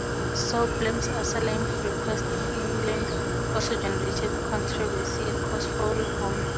Soblen's asylum request in England also generated controversy and calls for reform.